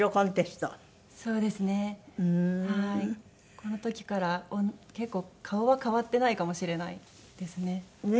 この時から結構顔は変わってないかもしれないですね。